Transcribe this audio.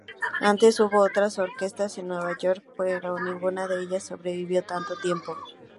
Antes hubo otras orquestas en Nueva York, pero ninguna de ellas sobrevivió tanto tiempo.